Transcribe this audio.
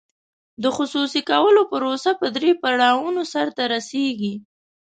د خصوصي کولو پروسه په درې پړاوونو سر ته رسیږي.